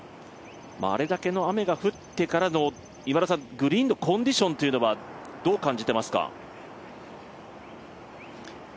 あれだけの雨が降ってからのグリーンのコンディションはどう感じてますか？